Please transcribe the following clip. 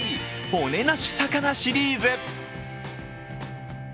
骨なし魚シリーズ。